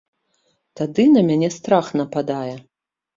Тады на мяне страх нападае.